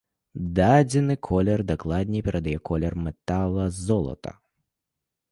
Дадзены колер дакладней перадае колер метала-золата.